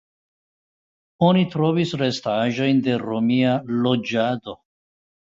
Oni trovis restaĵojn de romia loĝado.